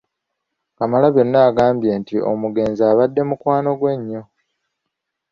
Kamalabyonna agambye nti omugenzi abadde mukwano gwe nnyo.